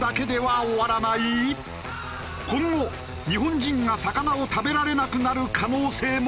今後日本人が魚を食べられなくなる可能性も？